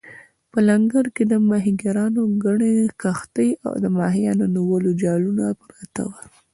په لنګر کې د ماهیګیرانو ګڼې کښتۍ او د ماهیانو نیولو جالونه پراته ول.